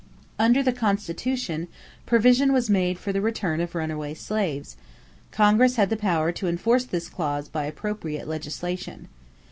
Under the Constitution, provision was made for the return of runaway slaves; Congress had the power to enforce this clause by appropriate legislation.